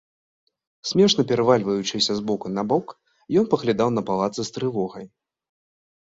Смешна перавальваючыся з боку на бок, ён паглядаў на палацы з трывогай.